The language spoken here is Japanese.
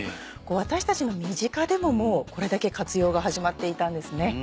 私たちの身近でもこれだけ活用が始まっていたんですね。